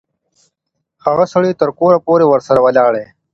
هغه سړی تر کوره پوري ورسره ولاړی.